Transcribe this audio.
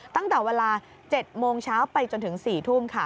ตั้งแต่เวลา๗โมงเช้าไปจนถึง๔ทุ่มค่ะ